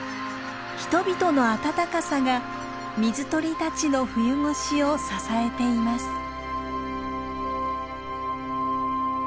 人々の温かさが水鳥たちの冬越しを支えています。